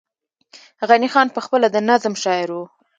غني خان پخپله د نظم شاعر وو